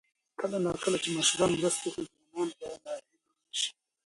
کله نا کله چې مشران مرسته وکړي، ځوانان به ناهیلي نه شي.